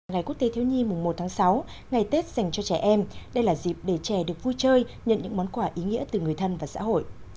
ngày quốc tế thiếu nhi mùng một tháng sáu ngày tết dành cho trẻ em đây là dịp để trẻ được vui chơi nhận những món quà ý nghĩa từ người thân và xã hội